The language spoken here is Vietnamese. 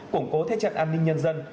củng cố thế chận an ninh nhân dân